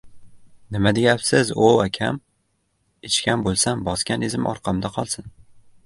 — Nima deyapsiz, o‘v akam! Ichgan bo‘lsam bosgan izim orqamda qolsin.